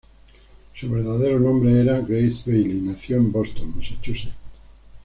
Su verdadero nombre era Grace Bailey, y nació en Boston, Massachusetts.